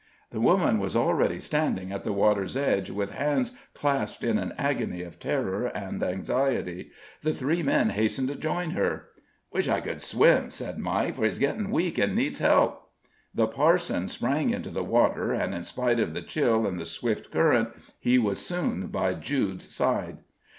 The woman was already standing at the water's edge, with hands clasped in an agony of terror and anxiety. The three men hastened to join her. "Wish I could swim," said Mike, "for he's gettin' weak, an' needs help." The parson sprang into the water, and, in spite of the chill and the swift current, he was soon by Jude's side.